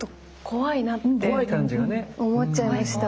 怖い感じがね。思っちゃいました。